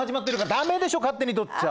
駄目でしょ勝手に撮っちゃ！